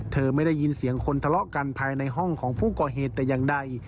ไม่ได้ยินเสียงคนทะเลาะกันภายในห้องของผู้ก่อเหตุแต่อย่างใด